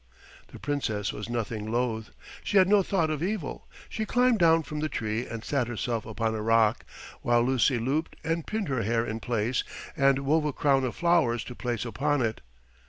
The Princess was nothing loath. She had no thought of evil. She climbed down from the tree and sat herself upon a rock, while Lucy looped and pinned her hair in place and wove a crown of flowers to place upon it.